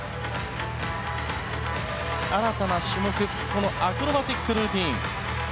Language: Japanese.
新たな種目アクロバティックルーティン。